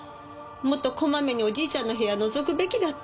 もっとこまめにおじいちゃんの部屋覗くべきだった。